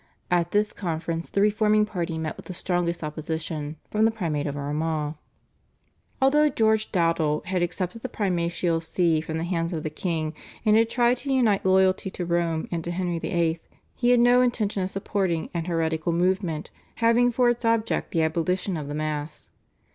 At this conference the reforming party met with the strongest opposition from the Primate of Armagh. Although George Dowdall had accepted the primatial See from the hands of the king and had tried to unite loyalty to Rome and to Henry VIII., he had no intention of supporting an heretical movement having for its object the abolition of the Mass.